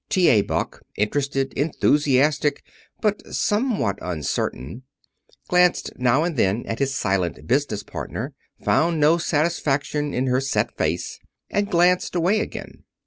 T.A. Buck, interested, enthusiastic, but somewhat uncertain, glanced now and then at his silent business partner, found no satisfaction in her set face, and glanced away again.